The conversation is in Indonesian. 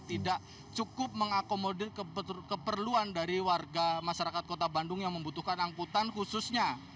tidak cukup mengakomodir keperluan dari warga masyarakat kota bandung yang membutuhkan angkutan khususnya